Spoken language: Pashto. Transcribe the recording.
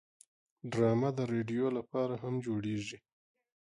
ډرامه د رادیو لپاره هم جوړیږي